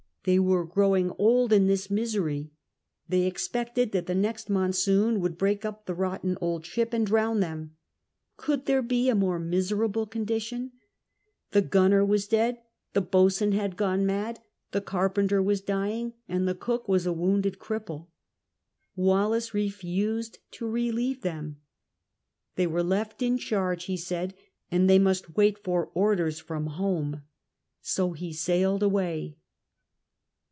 They were growing old in this misery. They expected that the next monsoon Avould break up the rotten old ship and droAvn tliem. Could there be a more miserable condition ? The guiinei* Avas dead, the boatswain had gone mad, the carpenter Avas dying, and the cook was a wounded cripple. Wallis refused to relieve them. They were left in charge, he said, and they must Avait for orders from home. So he sailed away.